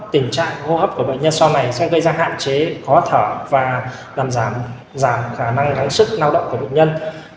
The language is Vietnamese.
tình trạng hô hấp của bệnh nhân sau này sẽ gây ra hạn chế khó thở và làm giảm khả năng gắn sức lao động của bệnh nhân